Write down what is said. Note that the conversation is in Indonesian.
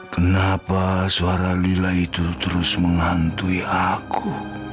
kenapa suara lila itu terus menghantui aku